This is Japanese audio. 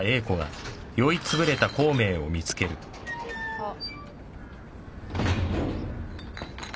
あっ。